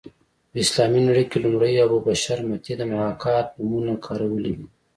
په اسلامي نړۍ کې لومړی ابو بشر متي د محاکات نومونه کارولې ده